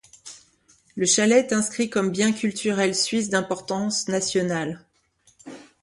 Le chalet est inscrit comme biens culturels suisses d'importance nationale.